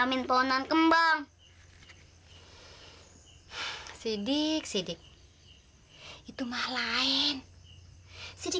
sekarang kan bapak udah gak ada